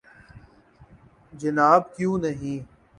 جناب کیوں نہیں